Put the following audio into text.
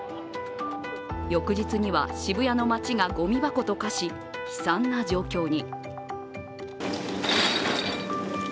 翌日には渋谷の街がごみ箱と化し、悲惨な状況に。